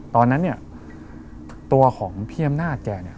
ตอนนั้นตัวของพี่ย้ำหน้าแก